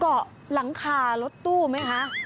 เกาะหลังคารถตู้ไหมคะ